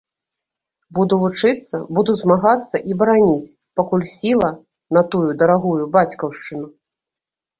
Буду вучыцца, буду змагацца і бараніць, пакуль сіла, натую дарагую бацькаўшчыну.